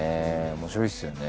面白いですよね。